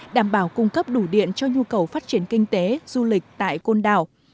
đảm bảo cung cấp đủ điện cho nhu cầu phát triển kinh tế du lịch tại côn đảo